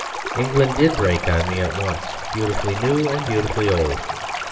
England did break on me at once beautifully new and beautifully old.